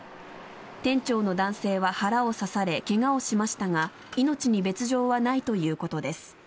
店長の男性は腹を刺され怪我をしましたが命に別条はないということです。